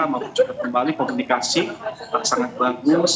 maupun juga di bali komunikasi sangat bagus